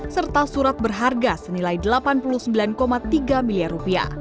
serta surat berharga senilai rp delapan puluh sembilan tiga miliar